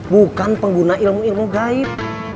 bukan pengguna ilmu ilmu gaib